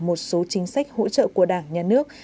một số chính sách hỗ trợ của đảng nhà nước